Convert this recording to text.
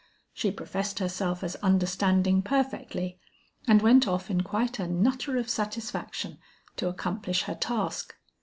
She professed herself as understanding perfectly and went off in quite a nutter of satisfaction to accomplish her task.